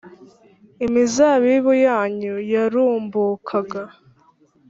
imizabibu yanyu yarumbukaga.